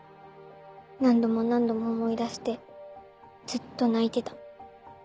何度も何度も思い出してずっと泣いてた。